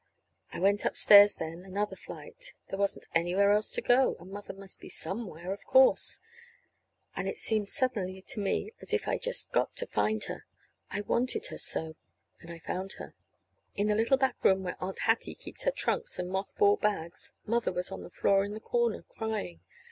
I went upstairs then, another flight. There wasn't anywhere else to go, and Mother must be somewhere, of course. And it seemed suddenly to me as if I'd just got to find her. I wanted her so. And I found her. In the little back room where Aunt Hattie keeps her trunks and moth ball bags, Mother was on the floor in the corner crying.